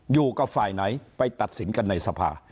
อยู่กับฝ่ายไหนไปตัดสินกันในสภา